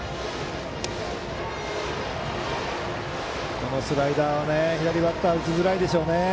今のスライダーは左バッターは打ちづらいでしょう。